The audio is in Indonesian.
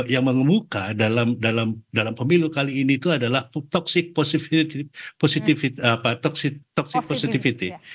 yang mengemuka dalam pemilu kali ini itu adalah toxic toxic positivity